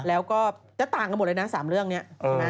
แล้วก็จะต่างกันหมดเลยนะ๓เรื่องนี้ใช่ไหม